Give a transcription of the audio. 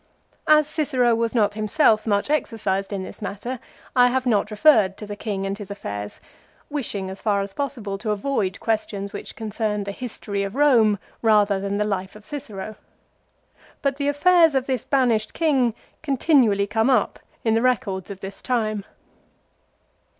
As Cicero was not himself much exercised in this matter, I CICERO, jETAT. 52, 53, AND 54. 59 have not referred to the "king and his affairs, wishing as far as possible to avoid questions which concern the history of Eome rather than the life of Cicero ; but the affairs of this banished king continually come up in the records of this time.